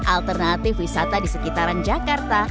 alternatif wisata di sekitaran jakarta